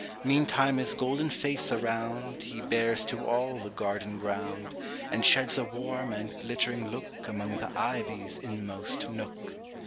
Meantime his golden face aroundHe bares to all the garden ground, And sheds a warm and glittering lookAmong the ivy's inmost nook.